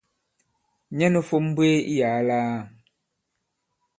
Nyɛ nū fȏm m̀mbwēē iyàa lāā.